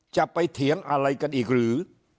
เถียงอะไรกันอีกหรือ